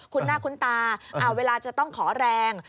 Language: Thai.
คุณหน้าคุ้นตาเวลาจะต้องขอแรง